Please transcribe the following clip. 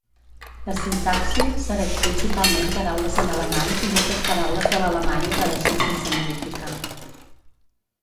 La sintaxi segueix principalment paraules en alemany i moltes paraules de l'alemany apareixen sense modificar.